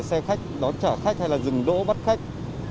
xe khách đón trả khách hay là dừng đỗ bắt khách